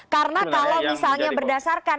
karena kalau misalnya berdasarkan